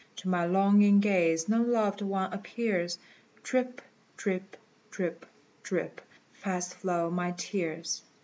To my longing gaze no loved one appears; Drip, drip, drip, drip: fast flow my tears."